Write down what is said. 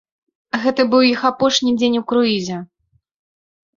Гэта быў іх апошні дзень у круізе.